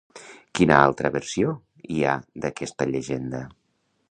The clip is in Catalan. Quina altra versió hi ha d'aquesta llegenda?